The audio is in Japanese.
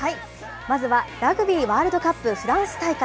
まずはラグビーワールドカップフランス大会。